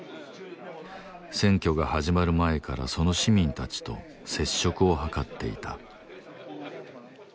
選挙が始まる前からその市民たちと接触を図っていた